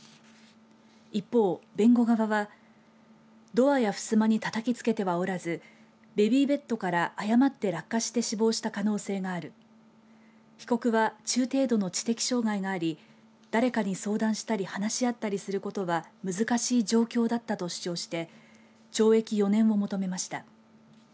一方、弁護側はドアや、ふすまにたたきつけてはおらずベビーベッドから誤って落下して死亡した可能性がある被告は中程度の知識障害があり誰かに相談したり話し合ったりすることは難しい状況だったと主張して懲役４年を求めました。